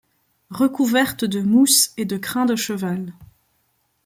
Recouvertes de mousse et de crin de cheval ;